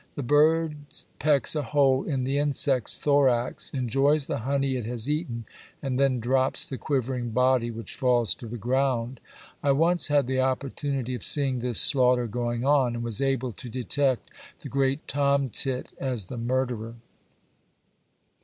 The bird pecks a hole in the insect's thorax, enjoys the honey it has eaten and then drops the quivering body which falls to the ground. I once had the opportunity of seeing this slaughter going on, and was able to detect the great tomtit as the murderer.